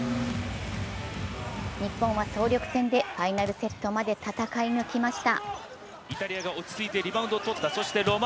日本は総力戦でファイナルセットまで戦い抜きました。